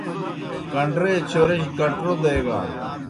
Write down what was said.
کنڈرے چورِجیْ کٹرو دیگان۔